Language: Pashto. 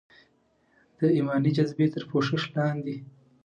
د ایماني جذبې تر پوښښ لاندې.